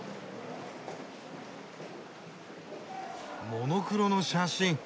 モノクロの写真。